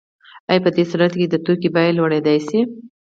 آیا په دې صورت کې د توکي بیه لوړیدای شي؟